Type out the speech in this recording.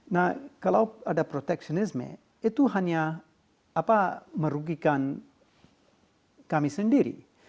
nah kalau ada proteksionisme itu hanya merugikan kami sendiri